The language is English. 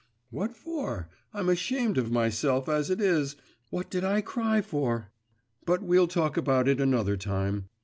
'What for? I'm ashamed of myself, as it is; what did I cry for? But we'll talk about it another time.